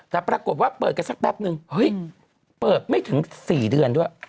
แต่ปรากฏว่าเปิดกันสักแป๊บนึงเฮ้ยเปิดไม่ถึง๔เดือนด้วย